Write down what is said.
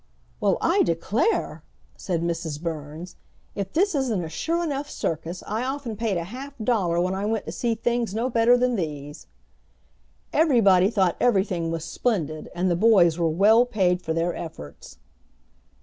"Well, I declare!" said Mrs. Burns. "If this isn't a sure enough circus. I often paid a half dollar when I went to see things no better than these!" Everybody thought everything was splendid, and the boys were well paid for their efforts.